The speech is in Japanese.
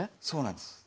そうなんです。